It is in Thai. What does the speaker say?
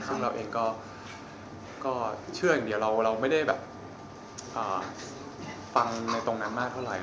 ซึ่งเราเองก็เชื่ออย่างเดียวเราไม่ได้แบบฟังในตรงนั้นมากเท่าไหร่